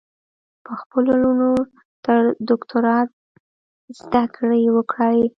په خپلو لوڼو تر دوکترا ذدکړي وکړئ